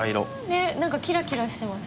ねっなんかキラキラしてます。